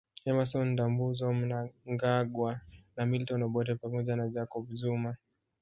Emmason Ndambuzo Mnangagwa na Milton Obote pamoja na Jacob Zuma